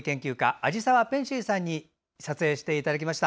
味澤ペンシーさんに撮影していただきました。